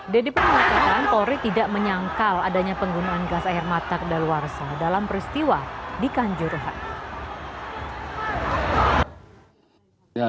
dede perhatikan polri tidak menyangkal adanya penggunaan gas air mata ke dalawarsa dalam peristiwa di kanjuruhan